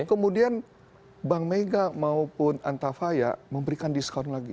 kemudian bank mega maupun antafaya memberikan diskon lagi